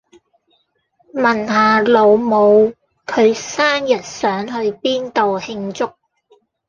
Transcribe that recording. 問下老母，佢生日想去邊度慶祝